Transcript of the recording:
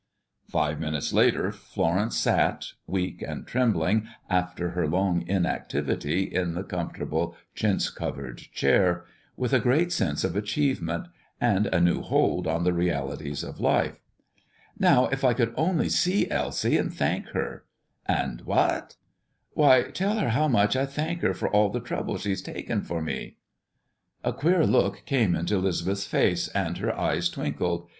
Five minutes later, Florence sat, weak and trembling after her long inactivity, in the comfortable chintz covered chair, with a great sense of achievement and a new hold on the realities of life. "Now, if I could only see Elsie, and thank her." "And what?" "Why, tell her how much I thank her for all the trouble she has taken for me." A queer look came into 'Lisbeth's face, and her eyes twinkled.